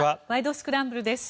スクランブル」です。